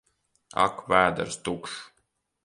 Ak! Vēders tukšs!